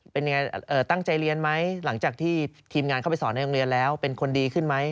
เป็นยังไงตั้งใจเรียนไหมหลังจากที่ทีมงานเข้าไปสอนในโรงเรียนแล้วเป็นคนดีขึ้นไหม